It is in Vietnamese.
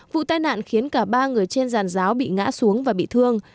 vụ tai nạn khiến cả ba người trên giàn giáo bị ngã xuống và bị thương